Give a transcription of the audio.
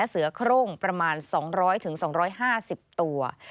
เสือโครงประมาณ๒๐๐๒๕๐ตัว